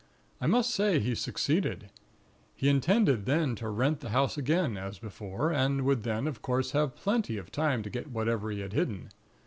I must say he succeeded. He intended then to rent the house again, as before; and would then, of course have plenty of time to get whatever he had hidden.